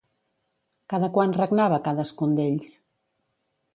Cada quant regnava cadascun d'ells?